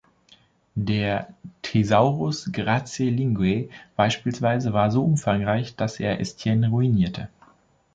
Der "Thesaurus Graecae Linguae" beispielsweise war so umfangreich, dass er Estienne ruinierte.